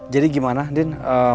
jadi gimana din